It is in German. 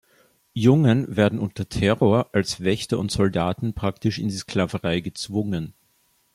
Jungen werden unter Terror als Wächter und Soldaten praktisch in die Sklaverei gezwungen.